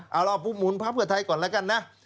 เอาล่ะปุ๊บหมุนภักดิ์เพื่อไทยก่อนแล้วกันนะ